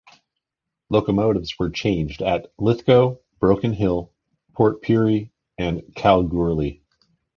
Locomotives were changed at Lithgow, Broken Hill, Port Pirie and Kalgoorlie.